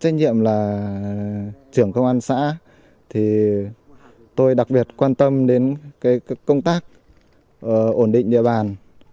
trách nhiệm là trưởng công an xã thì tôi đặc biệt quan tâm đến công tác ổn định địa bàn